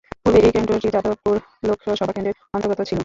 পূর্বে এই কেন্দ্রটি যাদবপুর লোকসভা কেন্দ্রের অন্তর্গত ছিল।